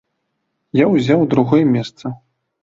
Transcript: Я ўзяў другое месца.